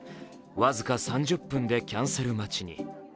僅か３０分でキャンセル待ちに。